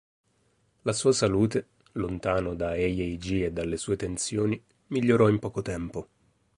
La sua salute, lontano da Eihei-ji e dalle sue tensioni, migliorò in poco tempo.